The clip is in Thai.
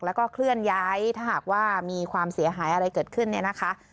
แล้วก็เคลื่อนย้ายถ้าหากว่ามีความเสียหายอะไรเกิดขึ้นเนี่ยนะคะ